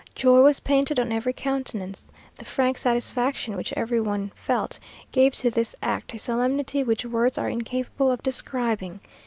Joy was painted on every countenance. The frank satisfaction which every one felt gave to this act a solemnity which words are incapable of describing.